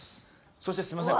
そしてすいません